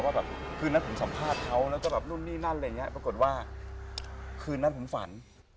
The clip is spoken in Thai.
ว่าแบบคืนนั้นผมสัมภาษณ์เขาแล้วก็แบบนู่นนี่นั่นอะไรอย่างนี้ปรากฏว่าคืนนั้นผมฝัน